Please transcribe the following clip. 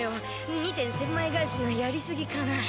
二天・千枚返しのやりすぎかな。